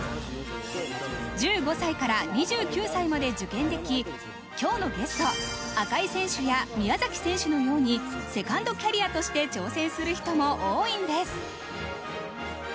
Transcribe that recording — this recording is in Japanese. １５歳から２９歳まで受験でき、今日のゲスト、赤井選手や宮崎選手のようにセカンドキャリアとして挑戦する人も多いんです。